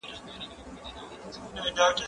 هغه څوک چې درس لولي بریالی کېږي؟!